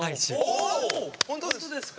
お本当ですか？